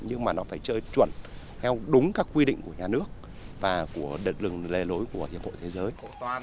nhưng mà nó phải chưa chuẩn theo đúng các quy định của nhà nước và của đợt lề lối của hiệp hội thế giới